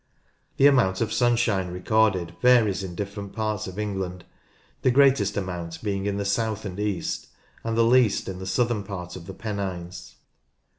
The amount of sunshine recorded varies in different parts of England, the greatest amount being in the south and east, and the least in the southern part of the Pennines.